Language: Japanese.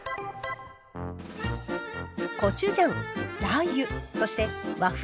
コチュジャンラー油そして和風